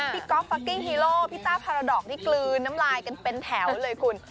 ก๊อฟฟักกิ้งฮีโร่พี่ต้าพาราดอกนี่กลืนน้ำลายกันเป็นแถวเลยคุณ